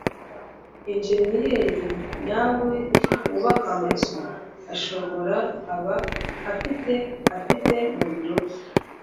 Enjeniyeri nyawe wubaka amazu ashobora aba afite afite mu biro bye